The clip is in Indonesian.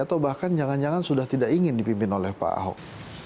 atau bahkan jangan jangan sudah tidak ingin dipimpin oleh pak ahok